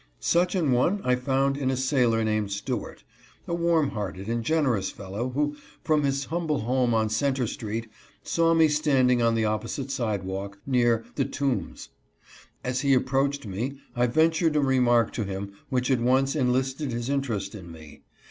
Such an one I found in a sailor named Stuart, a warm hearted and generous fellow, who, from his humble home on Cen ter street, saw me standing on the opposite sidewalk, near " The Tombs." As he approached me I ventured a remark to him which at once enlisted his interest in me.